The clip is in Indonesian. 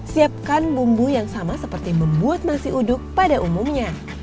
siapkan bumbu yang sama seperti membuat nasi uduk pada umumnya